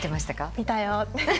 「見たよ」って。